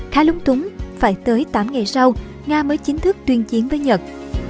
khá lung túng phải tới tám ngày sau nga mới chính thức tuyên chiến với nhật